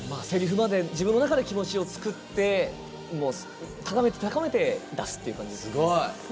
せりふまで自分の中で気持ちを作って高めて高めて出すっていう感じですね。